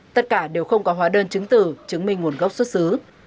tất cả đều không có hóa đơn chứng tử chứng minh nguồn gốc xuất xứ